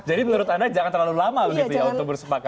jadi menurut anda jangan terlalu lama untuk bersepakat